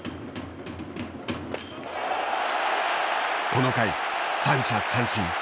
この回三者三振。